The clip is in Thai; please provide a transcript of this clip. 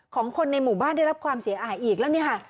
ของคนในหมู่บ้านได้รับความเสียหายอีกแล้วเนี่ยค่ะ